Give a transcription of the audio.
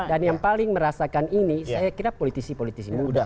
dan yang paling merasakan ini saya kira politisi politis muda